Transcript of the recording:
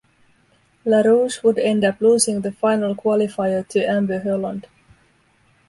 Larouche would end up losing the final qualifier to Amber Holland.